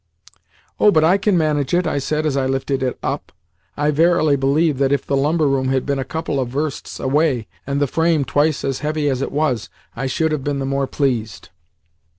"Oh, but I can manage it," I said as I lifted it up. I verily believe that if the lumber room had been a couple of versts away, and the frame twice as heavy as it was, I should have been the more pleased.